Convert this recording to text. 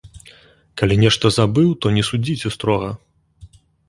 Калі нешта забыў, то не судзіце строга.